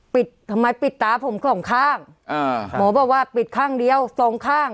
ทำไมปิดตาผมสองข้างอ่าหมอบอกว่าปิดข้างเดียวสองข้าง